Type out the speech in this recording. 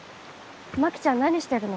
真紀ちゃん何してるの？